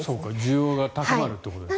需要が高まるってことですね。